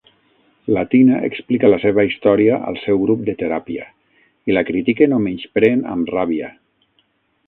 La Tina explica la seva història al seu grup de teràpia i la critiquen o menyspreen amb ràbia.